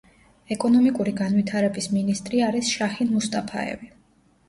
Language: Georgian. ეკონომიკური განვითარების მინისტრი არის შაჰინ მუსტაფაევი.